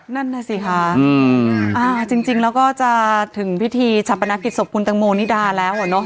นั่นน่ะสิคะจริงแล้วก็จะถึงพิธีชาปนกิจศพคุณตังโมนิดาแล้วอ่ะเนอะ